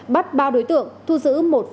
bắt ba đối tượng thu giữ